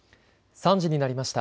３時になりました。